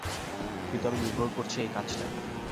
কিন্তু আমি নির্ভর করছি এই কাজটায়।